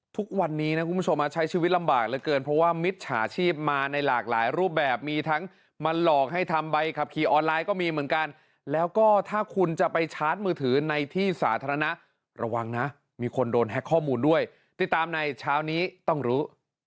ทุกวันนี้นะคุณผู้ชมใช้ชีวิตลำบากเหลือเกินเพราะว่ามิจฉาชีพมาในหลากหลายรูปแบบมีทั้งมาหลอกให้ทำใบขับขี่ออนไลน์ก็มีเหมือนกันแล้วก็ถ้าคุณจะไปชาร์จมือถือในที่สาธารณะระวังนะมีคนโดนแฮ็กข้อมูลด้วยติดตามในเช้านี้ต้องรู้